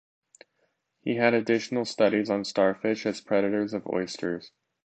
He had additional studies on starfish as predators of oysters.